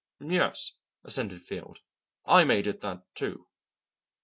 "Yes," assented Field. "I made it that, too."